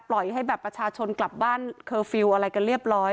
ปล่อยให้แบบประชาชนกลับบ้านเคอร์ฟิลล์อะไรกันเรียบร้อย